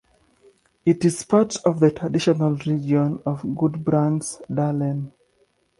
It is part of the traditional region of Gudbrandsdalen.